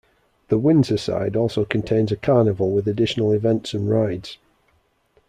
The Windsor side also contains a carnival with additional events and rides.